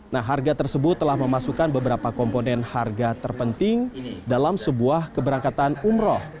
nah harga tersebut telah memasukkan beberapa komponen harga terpenting dalam sebuah keberangkatan umroh